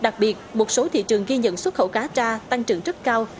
đặc biệt một số thị trường ghi nhận xuất khẩu cá tra tăng trưởng rất cao